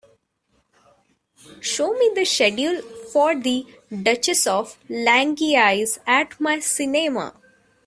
show me the schedule for The Duchess of Langeais at my cinema